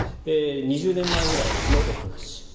２０年前ぐらいのお話。